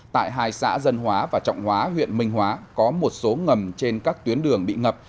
tại hai xã dân hóa và trọng hóa huyện minh hóa có một số ngầm trên các tuyến đường bị ngập